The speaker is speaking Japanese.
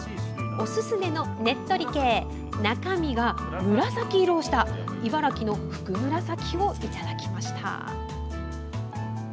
おすすめのねっとり系中身が紫色をした茨城の、ふくむらさきをいただきました。